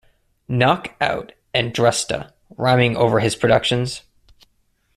Knocc Out, and Dresta, rhyming over his productions.